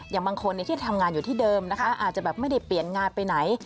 อย่างบางคนที่ทำงานอยู่ที่เดิมนะคะอาจจะแบบไม่ได้เปลี่ยนงานไปไหน